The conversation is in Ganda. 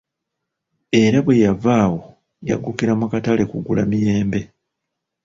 Era bwe yava awo yaggukira mu katale kugula miyembe!